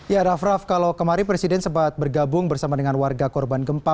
ya raff raff kalau kemarin presiden sempat bergabung bersama dengan warga korban gempa